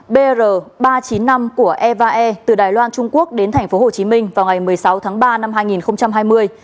br ba trăm chín mươi năm của evae từ đài loan trung quốc đến tp hcm vào ngày một mươi sáu tháng ba năm hai nghìn hai mươi